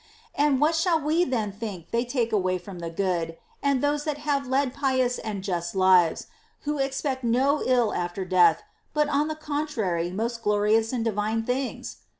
And what shall we then think they take away from the good and those that have led pious and just lives, who expect no ill after death, but on the contrary most glorious and divine things